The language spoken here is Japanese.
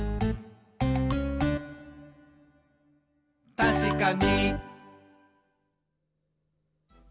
「たしかに！」